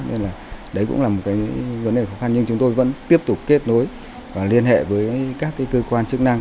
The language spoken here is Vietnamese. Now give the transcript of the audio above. nên là đấy cũng là một cái vấn đề khó khăn nhưng chúng tôi vẫn tiếp tục kết nối và liên hệ với các cơ quan chức năng